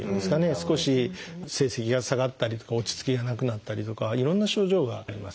少し成績が下がったりとか落ち着きがなくなったりとかいろんな症状があります。